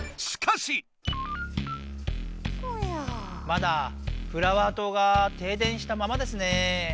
まだフラワー島が停電したままですね。